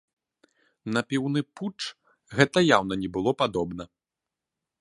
На піўны путч гэта яўна не было падобна.